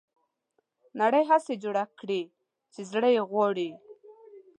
نړۍ هغسې جوړه کړي چې زړه یې غواړي.